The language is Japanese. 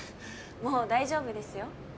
もう大丈夫ですよ。